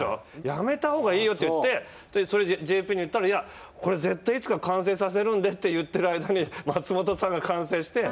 やめた方がいいよって言ってそれＪＰに言ったら「いやこれ絶対いつか完成させるんで」って言ってる間に松本さんが完成して。